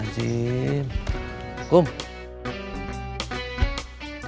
jangan cari penyakit lah